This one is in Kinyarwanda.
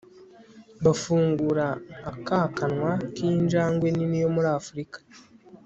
bafungura nk'akanwa k'injangwe nini yo muri afurika